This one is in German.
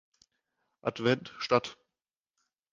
Advent statt.